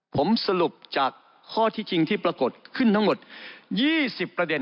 ผมสรุปจากข้อที่จริงที่ปรากฏขึ้นทั้งหมด๒๐ประเด็น